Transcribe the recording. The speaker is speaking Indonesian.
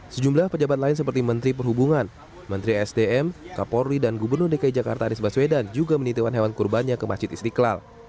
sejumlah pejabat lain seperti menteri perhubungan menteri sdm kapolri dan gubernur dki jakarta anies baswedan juga menitiwan hewan kurbannya ke masjid istiqlal